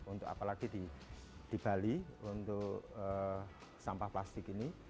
untuk apalagi di bali untuk sampah plastik ini